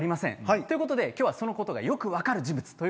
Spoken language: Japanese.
っていうことで、今日はそのことがよく分かる人物